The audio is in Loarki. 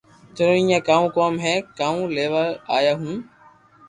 ٿارو ايئي ڪاؤ ڪوم ھي ڪاو ليوا آيا ھون